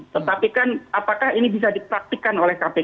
tetapi kan apakah ini bisa dipraktikan oleh kpk